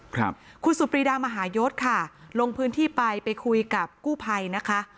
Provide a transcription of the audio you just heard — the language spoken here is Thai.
ครับคุณสุปรีดามหายศค่ะลงพื้นที่ไปไปคุยกับกู้ภัยนะคะ